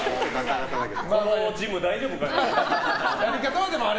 このジム、大丈夫かな。